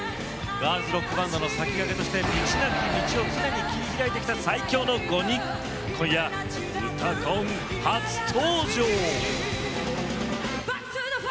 ガールズロックバンドの先駆けとして道なき道を常に切り開いてきた最強の５人です。